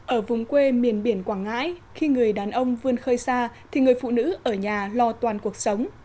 ở vùng quê miền biển quảng ngãi khi người đàn ông vươn khơi xa thì người phụ nữ ở nhà lo toàn cuộc sống